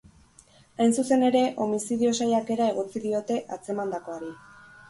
Hain zuzen ere, homizidio saiakera egotzi diote atzemandakoari.